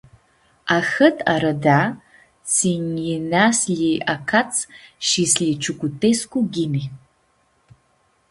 Ahãt arãdea tsi nj-yinea s-lji acats shi s-lji ciucutescu ghini.